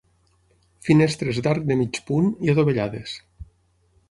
Finestres d'arc de mig punt i adovellades.